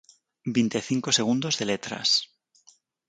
Vinte e cinco segundos de letras.